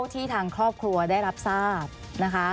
ที่ทางครอบครัวได้รับทราบนะคะ